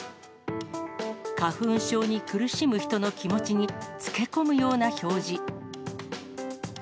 花粉症に苦しむ人の気持ちにつけこむような表示。